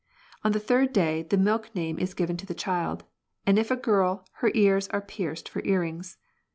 On the third day the milk name is given to the child, and if a girl her ears are pierced for earrings.